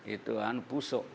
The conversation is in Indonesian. itu kan pusok